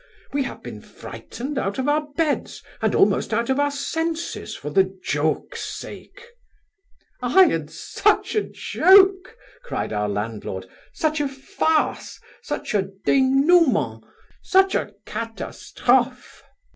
We have been frightened out of our beds, and almost out of our senses, for the joke's sake.' 'Ay, and such a joke! (cried our landlord) such a farce! such a denouement! such a catastrophe!